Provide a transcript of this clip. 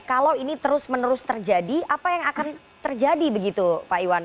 kalau ini terus menerus terjadi apa yang akan terjadi begitu pak iwan